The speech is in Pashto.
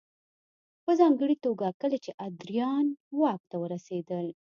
په ځانګړې توګه کله چې ادریان واک ته ورسېدل